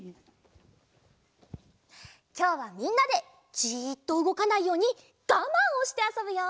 きょうはみんなでじっとうごかないようにガマンをしてあそぶよ。